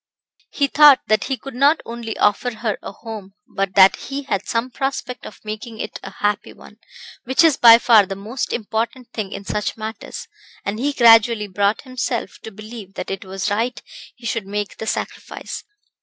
He thought that he could not only offer her a home, but that he had some prospect of making it a happy one, which is by far the most important thing in such matters, and he gradually brought himself to believe that it was right he should make the sacrifice.